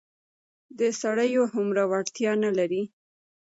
د سړيو هومره وړتيا نه لري.